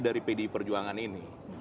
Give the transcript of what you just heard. dari pd perjuangan ini